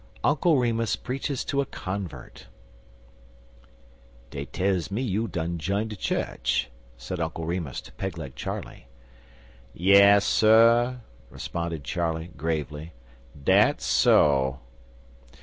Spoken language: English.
UNCLE REMUS PREACHES TO A CONVERT "DEY tells me you done jine de chu'ch," said Uncle Remus to Pegleg Charley. "Yes, sir," responded Charley, gravely, "dat's so."